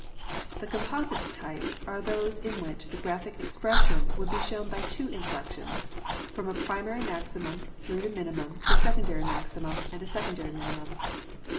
The composite types are those in which the graphic expression would be shown by two inflections, from a primary maximum through the minimum to a secondary max imum and secondary minimum.